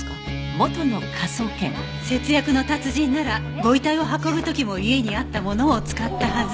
節約の達人ならご遺体を運ぶ時も家にあったものを使ったはず。